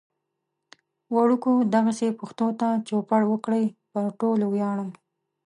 وړکو دغسې پښتو ته چوپړ وکړئ. پو ټولو وياړم